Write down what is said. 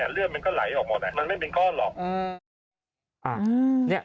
เลือดมันก็ไหลออกหมดมันไม่เป็นก้อนหรอก